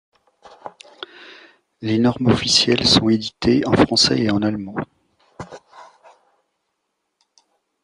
Les normes officielles sont éditées en français et en allemand.